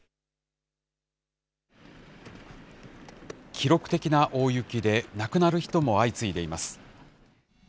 記録的な大雪で、亡くなる人も相次いでいます。